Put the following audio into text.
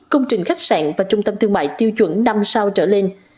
công trình khách sạn và trung tâm thương mại tiêu chuẩn năm sao trở lên